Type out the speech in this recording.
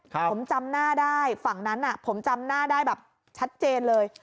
ผมจำหน้าได้ฝั่งนั้นน่ะผมจำหน้าได้แบบชัดเจนเลย